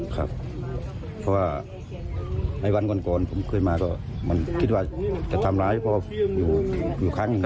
ครับเพราะว่าในวันก่อนผมเคยมาก็มันคิดว่าจะทำร้ายพ่ออยู่ครั้งหนึ่ง